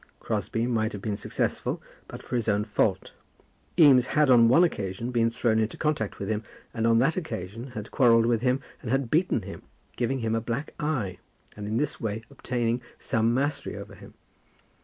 Crosbie might have been successful, but for his own fault. Eames had on one occasion been thrown into contact with him, and on that occasion had quarrelled with him and had beaten him, giving him a black eye, and in this way obtaining some mastery over him.